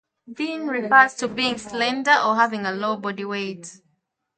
Thin refers to being slender or having a low body weight.